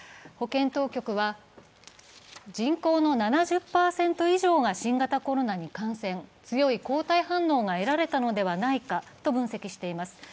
保健当局は、人口の７０％以上が新型コロナに感染強い抗体反応が得られたのではないかと分析しています。